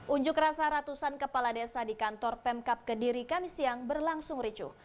unjuk rasa ratusan kepala desa di kantor pemkap kediri kamis siang berlangsung ricuh